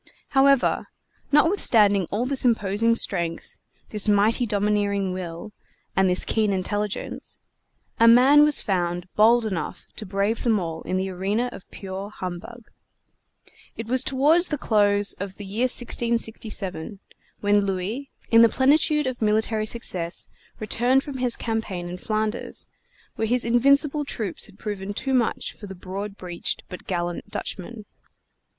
However, notwithstanding all this imposing strength, this mighty domineering will, and this keen intelligence, a man was found bold enough to brave them all in the arena of pure humbug. It was toward the close of the year 1667, when Louis, in the plenitude of military success, returned from his campaign in Flanders, where his invincible troops had proven too much for the broad breeched but gallant Dutchmen.